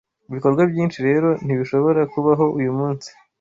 Ibikorwa byinshi rero ntibishobora kubaho uyumunsi